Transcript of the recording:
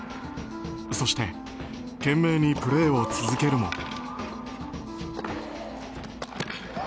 そして懸命にプレーを続けるも。